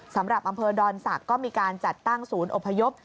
สำหรับอำเภอดอนศักดิ์ก็มีการจัดตั้งศูนย์อพยพ